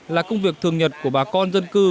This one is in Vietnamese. là công việc thường nhật của bà con dân